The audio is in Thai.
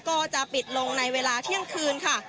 ก็จะปิดลงในเวลาเที่ยงคืนค่ะ